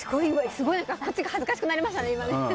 すごい、こっちが恥ずかしくなりましたね。